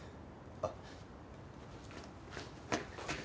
あっ。